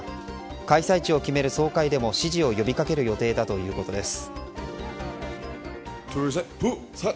開催地を決める総会でも支持を呼びかける予定だということです。